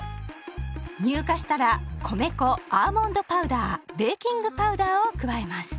乳化したら米粉アーモンドパウダーベーキングパウダーを加えます。